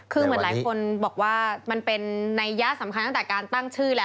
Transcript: คือเหมือนหลายคนบอกว่ามันเป็นนัยยะสำคัญตั้งแต่การตั้งชื่อแล้ว